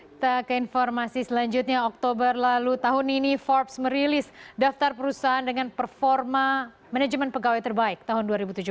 kita ke informasi selanjutnya oktober lalu tahun ini forbes merilis daftar perusahaan dengan performa manajemen pegawai terbaik tahun dua ribu tujuh belas